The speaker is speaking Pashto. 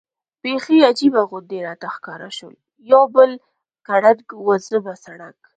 بېخي عجیبه غوندې راته ښکاره شول، یو بل ګړنګ وزمه سړک.